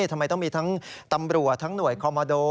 ทำไมต้องมีทั้งตำรวจทั้งหน่วยคอมโมโด